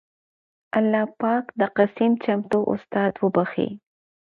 اللهٔ پاک د قسيم چمتو استاد وبښي